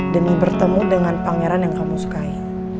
demi bertemu dengan pangeran yang kamu sukai